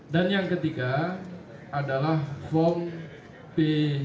dan yang ketiga adalah form b dua